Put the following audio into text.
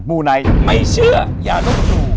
ูไนท์ไม่เชื่ออย่าลบหลู่